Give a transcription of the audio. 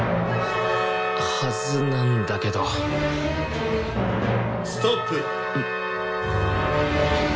はずなんだけどストップ！